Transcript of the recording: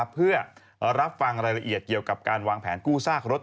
เพื่อรับฟังรายละเอียดเกี่ยวกับการวางแผนกู้ซากรถ